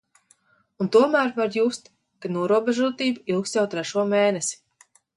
Un tomēr var just, ka norobežotība ilgst jau trešo mēnesi.